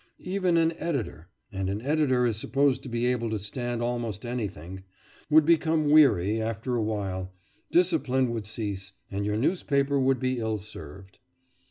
Even an editor and an editor is supposed to be able to stand almost anything would become weary after a while; discipline would cease, and your newspapers would be ill served.